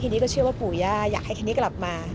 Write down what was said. ทีนี้ก็เชื่อว่าปู่ย่าอยากให้คนนี้กลับมา